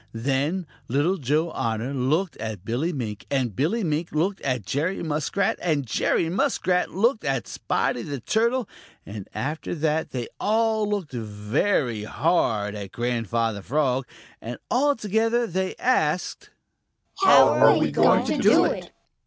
Then Little Joe Otter looked at Billy Mink, and Billy Mink looked at Jerry Muskrat, and Jerry Muskrat looked at Spotty the Turtle, and after that they all looked very hard at Grandfather Frog, and all together they asked: "How are we going to do it?"